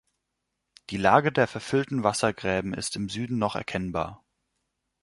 Die Lage der verfüllten Wassergräben ist im Süden noch erkennbar.